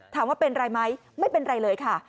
ถามว่าเป็นอะไรไหมไม่เป็นไรเลยค่ะ